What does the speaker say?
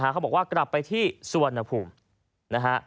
เขาบอกว่ากลับไปที่สุวรรณภูมินะฮะ